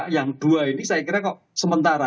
yang dua ini saya kira kok sementara